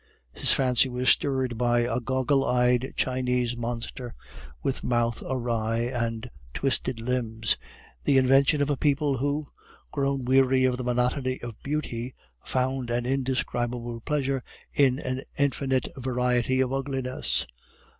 His fancy was stirred by a goggle eyed Chinese monster, with mouth awry and twisted limbs, the invention of a people who, grown weary of the monotony of beauty, found an indescribable pleasure in an infinite variety of ugliness.